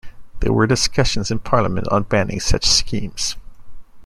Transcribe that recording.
There were discussions in parliament on banning such schemes.